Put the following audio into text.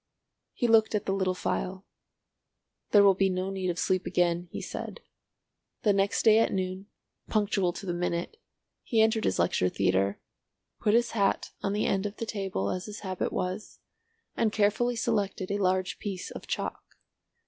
He looked at the little phial. "There will be no need of sleep again," he said. The next day at noon—punctual to the minute, he entered his lecture theatre, put his hat on the end of the table as his habit was, and carefully selected a large piece of chalk.